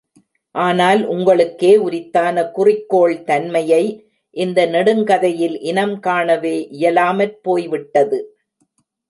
ஆனால் உங்களுக்கே உரித்தான குறிக்கோள் தன்மை யை இந்த நெடுங்கதையில் இனம் காணவே இயலாமற் போய்விட்டது!